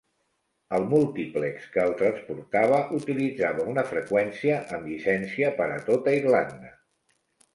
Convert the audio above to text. El múltiplex que el transportava utilitzava una freqüència amb llicència per a tota Irlanda.